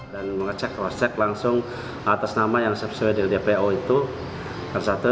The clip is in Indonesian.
dan mengecek cross check langsung atas nama yang sesuai dengan dpo itu